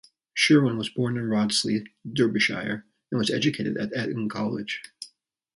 Sherwin was born at Rodsley, Derbyshire, and was educated at Eton College.